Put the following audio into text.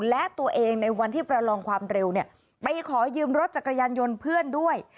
และตัวเองในวันที่ประลองความเร็วเนี่ยไปขอยืมรถจักรยานยนต์เพื่อนด้วย